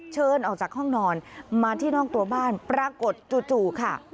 เชิญออกจากห้องนอนมาที่นอกตัวบ้านปรากฏจู่ค่ะ